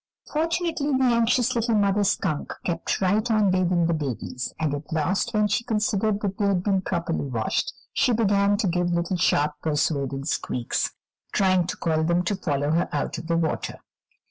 Fortunately, the anxious little mother skunk kept right on bathing the babies, and at last, when she considered that they had been properly washed, she began to give little sharp, persuading squeaks, trying to call them to follow her out of the water.